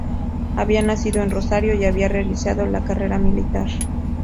Había nacido en Rosario y, había realizado la carrera militar.